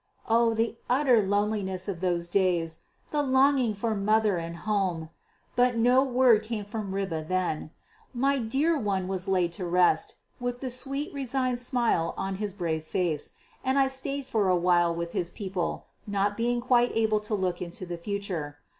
Oh! the utter loneliness of those days; the longing for mother and home! But no word came from Ribe then. My dear one was laid to rest, with the sweet, resigned smile on his brave face, and I stayed for a while with his people, not being quite able to look into the future.